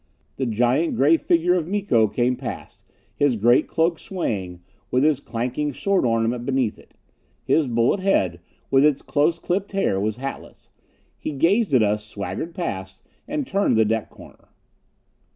The giant gray figure of Miko came past, his great cloak swaying, with his clanking sword ornament beneath it. His bullet head, with its close clipped hair, was hatless. He gazed at us, swaggered past, and turned the deck corner.